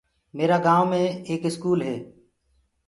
ميرآ گائونٚ مي ايڪ اسڪول هي۔